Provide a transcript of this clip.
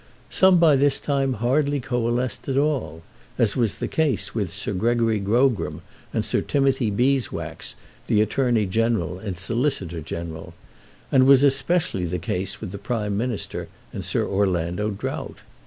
Some by this time hardly coalesced at all, as was the case with Sir Gregory Grogram and Sir Timothy Beeswax, the Attorney General and Solicitor General; and was especially the case with the Prime Minister and Sir Orlando Drought.